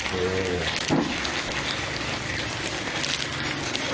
พร้อมทุกสิทธิ์